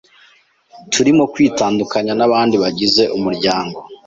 Turimo kwitandukanya nabandi bagize umuryango.